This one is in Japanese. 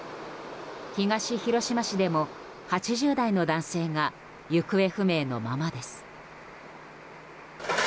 東広島市でも８０代の男性が行方不明のままです。